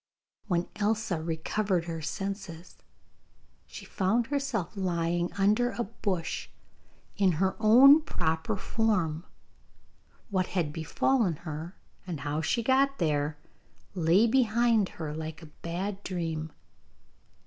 When Elsa recovered her senses, she found herself lying under a bush in her own proper form. What had befallen her, and how she got there, lay behind her like a bad dream.